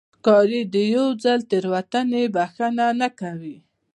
ښکاري د یو ځل تېروتنې بښنه نه کوي.